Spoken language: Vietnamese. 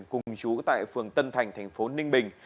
cùng chú tại phường tân thành thành phố ninh bình